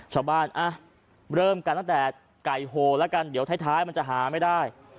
ชาวบ้านอ่ะเริ่มกันตั้งแต่ไก่โหแล้วกันเดี๋ยวท้ายมันจะหาไม่ได้